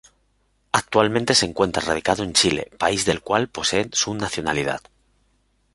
Actualmente se encuentra radicado en Chile, país del cual posee su nacionalidad.